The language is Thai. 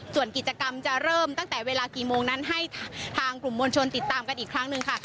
ส่วนกิจกรรมจะเริ่มตั้งแต่เวลากี่โมงนั้นให้ทางกลุ่มมวลชนติดตามกันอีกครั้งหนึ่งค่ะ